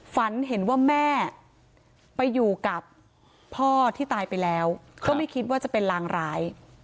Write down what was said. ฝันเห็นว่าแม่ไปอยู่กับพ่อที่ตายไปแล้วก็ไม่คิดว่าจะเป็นรางร้าย